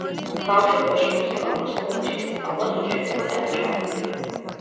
ბავშვობაში, მუსიკალურ სკოლაში სწავლას უშედეგოდ არ ჩაუვლია.